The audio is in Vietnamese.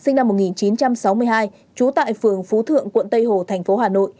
nguyễn đức thái sinh năm một nghìn chín trăm sáu mươi hai trú tại phường phú thượng quận tây hồ tp hà nội